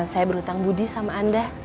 saya berhutang budi sama anda